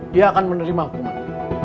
dia akan menerima hukuman